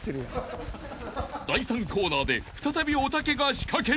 ［第３コーナーで再びおたけが仕掛ける］